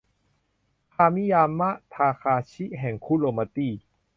คามิยามะ ทาคาชิ แห่ง คุโรมาตี้